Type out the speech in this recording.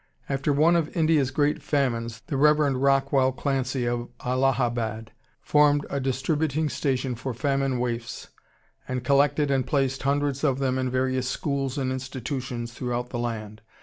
After one of India's great famines the Rev. Rockwell Clancy of Allahabad formed a distributing station for famine waifs and collected and placed hundreds of them in various schools and institutions throughout the land.